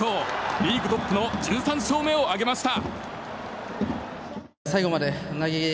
リーグトップの１３勝目を挙げました。